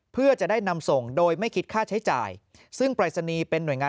เพื่อจะได้นำส่งโดยไม่คิดค่าใช้จ่ายซึ่งปรายศนีย์เป็นหน่วยงาน